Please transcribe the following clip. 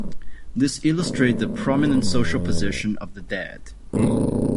This illustrates the prominent social position of the dead.